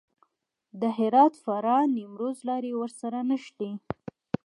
د هرات، فراه، نیمروز لارې ورسره نښلي.